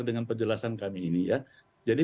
dengan penjelasan kami ini ya jadi